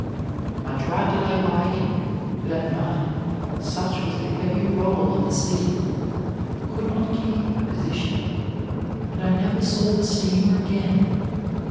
"I tried to lay by him, but at night, such was the heavy roll of the sea, I could not keep my position, and I never saw the steamer again.